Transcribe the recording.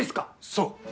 そう！